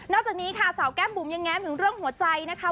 จากนี้ค่ะสาวแก้มบุ๋มยังแง้มถึงเรื่องหัวใจนะคะ